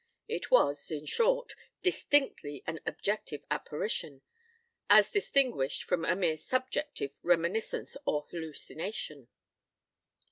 It was, in short, distinctly an objective apparition, as distinguished from a mere subjective reminiscence or hallucination."